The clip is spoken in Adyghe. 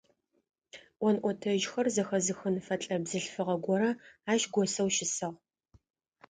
Ӏон-ӏотэжьхэр зэхэзыхын фэлӏэ бзылъфыгъэ горэ ащ госэу щысыгъ.